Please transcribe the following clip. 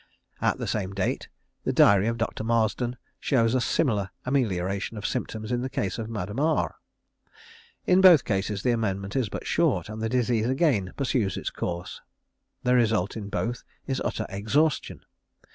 At the same date the diary of Dr. Marsden shows a similar amelioration of symptoms in the case of Madame R. In both cases the amendment is but short, and the disease again pursues its course. The result in both is utter exhaustion.